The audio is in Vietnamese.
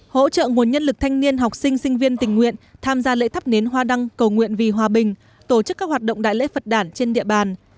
hỗ trợ nguồn nhân lực thanh niên học sinh sinh viên tình nguyện tham gia lễ thắp nến hoa đăng cầu nguyện vì hòa bình tổ chức các hoạt động đại lễ phật đàn trên địa bàn